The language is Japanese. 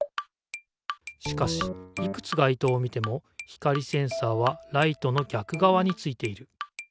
しかしいくつがいとうを見ても光センサーはライトのぎゃくがわについている。